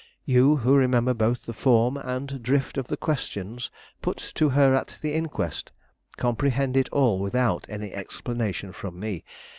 You, who remember both the form and drift of the questions put to her at the inquest, comprehend it all without any explanation from me.